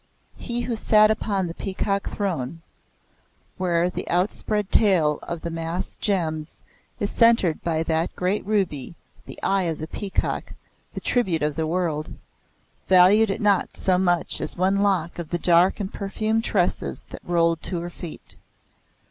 He who sat upon the Peacock Throne, where the outspread tail of massed gems is centred by that great ruby, "The Eye of the Peacock, the Tribute of the World," valued it not so much as one Jock of the dark and perfumed tresses that rolled to her feet.